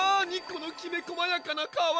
このきめこまやかな皮！